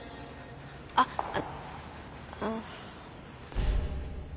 あっあああ。